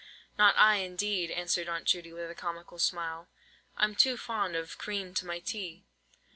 "Not I, indeed," answered Aunt Judy, with a comical smile: "I'm too fond of cream to my tea."